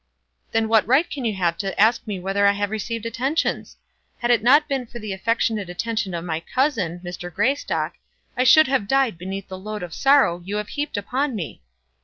"Then what right can you have to ask me whether I have received attentions? Had it not been for the affectionate attention of my cousin, Mr. Greystock, I should have died beneath the load of sorrow you have heaped upon me!"